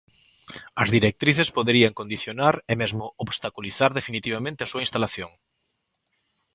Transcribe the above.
As Directrices poderían condicionar e mesmo obstaculizar definitivamente a súa instalación.